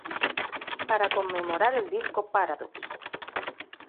Para conmemorar el disco "Paradox".